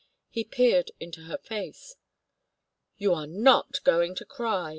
He peered into her face. "You are not going to cry!"